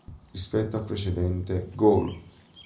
Rispetto al precedente, "Goal!